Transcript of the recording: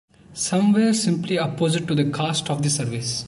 Some were simply opposed to the cost of the service.